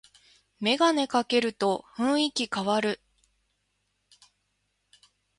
メガネかけると雰囲気かわる